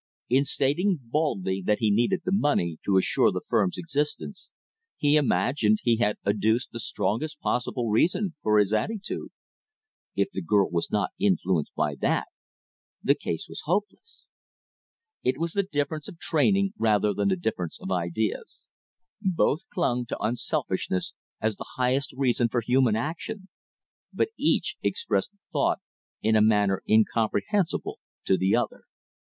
In stating baldly that he needed the money to assure the firm's existence, he imagined he had adduced the strongest possible reason for his attitude. If the girl was not influenced by that, the case was hopeless. It was the difference of training rather than the difference of ideas. Both clung to unselfishness as the highest reason for human action; but each expressed the thought in a manner incomprehensible to the other.